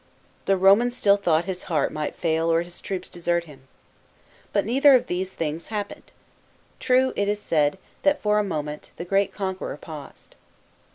The Romans still thought his heart might fail or his troops desert him. But neither of these things happened. True, it is said, that for a moment, the great conqueror paused.